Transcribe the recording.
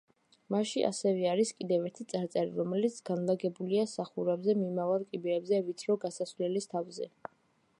მასში ასევე არის კიდევ ერთი წარწერა, რომელიც განლაგებულია სახურავზე მიმავალ კიბეებზე ვიწრო გასასვლელის თავზე.